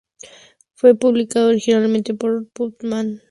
Fue publicada originalmente por Putnam.